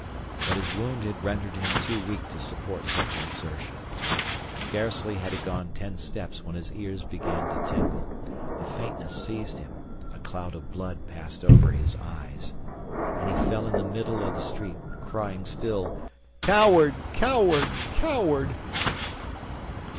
But his wound had rendered him too weak to support such an exertion. Scarcely had he gone ten steps when his ears began to tingle, a faintness seized him, a cloud of blood passed over his eyes, and he fell in the middle of the street, crying still, "Coward! coward! coward!"